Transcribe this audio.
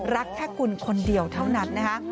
รักแค่คุณคนเดียวเท่านั้นนะคะ